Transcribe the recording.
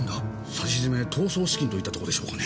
さしずめ逃走資金といったとこでしょうかね？